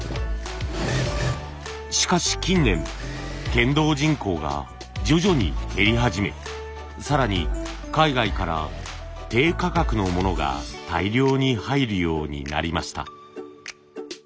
しかし近年剣道人口が徐々に減り始め更に海外から低価格のものが大量に入るようになりました。